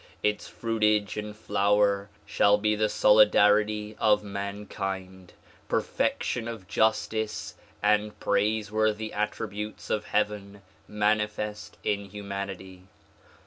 Its fruitage and flower shall be the solidarity of mankind, perfection of justice and praiseworthy attributes of heaven manifest in hu manity.